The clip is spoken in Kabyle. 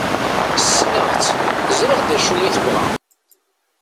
Ssneɣ-tt, ẓriɣ d acu i tebɣa.